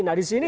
nah di sini